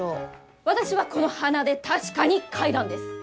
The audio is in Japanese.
私はこの鼻で確かに嗅いだんです！